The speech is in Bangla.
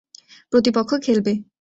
প্রতিপক্ষ খেলবে।